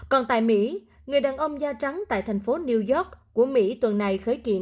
còn tại mỹ người đàn ông da trắng tại thành phố new york của mỹ tuần này khởi kiện